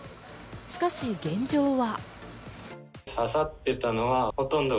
しかし現状は。